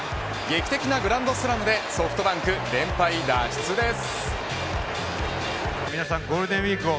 劇的なグランドスラムでソフトバンク、連敗脱出です。